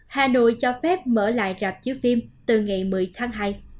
hà nội cho phép mở lại rạp chiếu phim từ ngày một mươi tháng hai